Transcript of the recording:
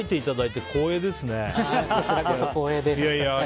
こちらこそ光栄です。